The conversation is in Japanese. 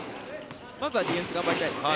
まずはディフェンス頑張りたいですね。